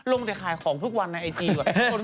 ลงแต่ขายของทุกวันในไอจีก่อน